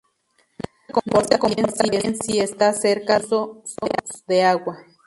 No se comporta bien si está cerca de cursos de agua.